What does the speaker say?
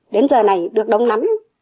đến giờ này được đông lắm